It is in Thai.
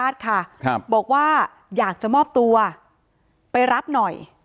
อ๋อเจ้าสีสุข่าวของสิ้นพอได้ด้วย